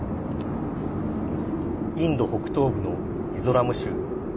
インド北東部のミゾラム州。